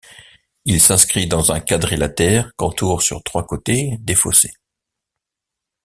Il s'inscrit dans un quadrilatère qu'entourent sur trois côtés des fossés.